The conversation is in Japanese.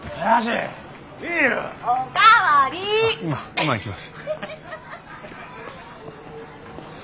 今今行きます。